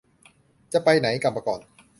จะไปไหน กลับมาก่อน